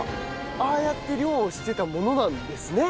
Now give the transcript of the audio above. ああやって漁をしてたものなんですね。